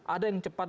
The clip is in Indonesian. ada yang cepat